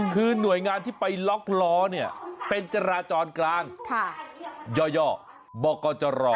คือหน่วยงานที่ไปล็อกล้อเนี่ยเป็นจราจรกลางย่อบอกกจร